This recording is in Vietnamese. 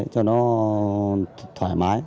cho nó thoải mái